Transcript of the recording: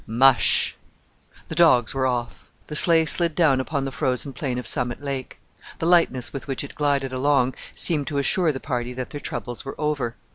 "Mush!" The dogs were off. The sleigh slid down upon the frozen plain of Summit Lake. The lightness with which it glided along seemed to assure the party that their troubles were over.